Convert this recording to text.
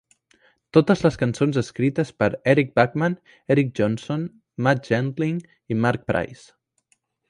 Totes les cançons escrites per Eric Bachmann, Eric Johnson, Matt Gentling i Mark Price.